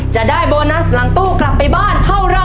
จะได้โบนัสหลังตู้กลับไปบ้านเท่าไร